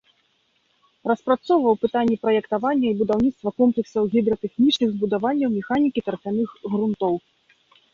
Распрацоўваў пытанні праектавання і будаўніцтва комплексаў гідратэхнічных збудаванняў механікі тарфяных грунтоў.